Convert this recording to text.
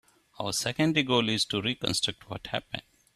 Our secondary goal is to reconstruct what happened.